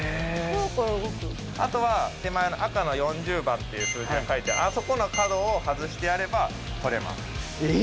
あとは、手前の赤の４０番っていう数字が書いてあるあそこの角を外してやればとれます。